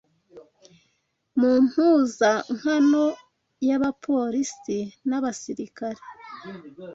mu mpuzankano y’abapolisi n’abasirikare